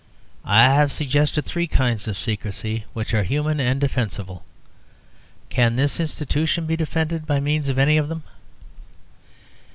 I have suggested three kinds of secrecy which are human and defensible. Can this institution be defended by means of any of them?